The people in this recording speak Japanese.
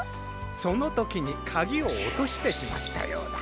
そのときにかぎをおとしてしまったようだ。